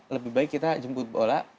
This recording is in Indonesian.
lebih baik kita jemput bola